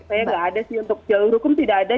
saya nggak ada sih untuk jalur hukum tidak ada